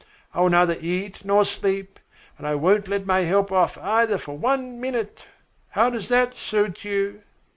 I will neither eat nor sleep, and I won't let my help off either for one minute. How does that suit you?"